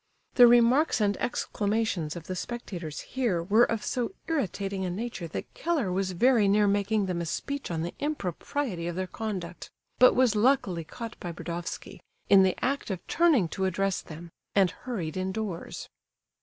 The remarks and exclamations of the spectators here were of so irritating a nature that Keller was very near making them a speech on the impropriety of their conduct, but was luckily caught by Burdovsky, in the act of turning to address them, and hurried indoors.